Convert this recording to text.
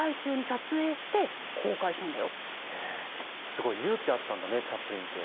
すごい勇気あったんだねチャップリンって。